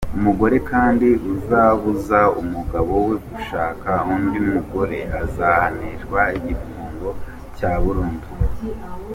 Umugore kandi uzabuza umugabo we gushaka undi mugore azahanishwa igifungo cya burundu.